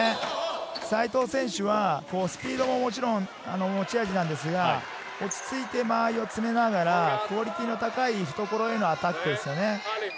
西藤選手は、スピードももちろん持ち味ですが、落ち着いて間合いを詰めながらクオリティーの高い懐へのアタックですね。